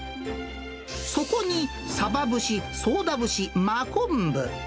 そこに、サバ節、宗田節、真昆布。